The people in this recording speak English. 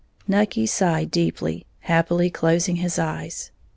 Nucky sighed, deeply, happily, closing his eyes.